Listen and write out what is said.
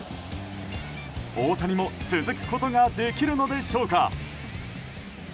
大谷も続くことができるのでしょうか。